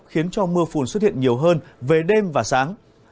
khiến cho mưa phùn xuất hiện nhiều hơn về đêm và sáng